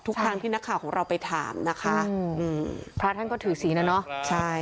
ทุกครั้งที่นักข่าวของเราไปถามนะคะอืมพระท่านก็ถือศีลนะเนอะใช่